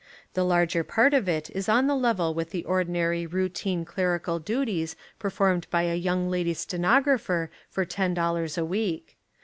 The larger part of it is on a level with the ordinary routine clerical duties performed by a young lady stenographer for ten dollars a week.